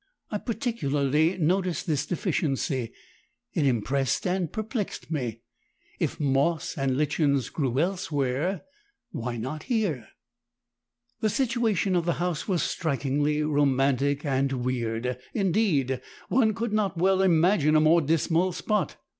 I particularly noticed this deficiency; it impressed and perplexed me. If moss and lichens grew elsewhere why not here? "The situation of the house was strikingly romantic and weird indeed, one could not well imagine a more dismal spot.